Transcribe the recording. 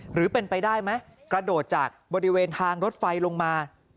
หรือเป็นไปได้ไหมกระโดดจากบริเวณทางรถไฟลงมา